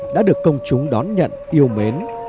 đã được công chúng đón nhận yêu mến